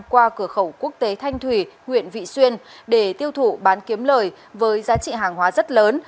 qua cửa khẩu quốc tế thanh thủy huyện vị xuyên để tiêu thụ bán kiếm lời với giá trị hàng hóa rất lớn